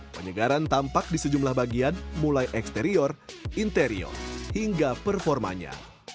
penyegaran tampak di sejumlah bagian mulai eksterior interior hingga performanya